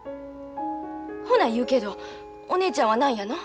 ほな言うけどお姉ちゃんは何やの？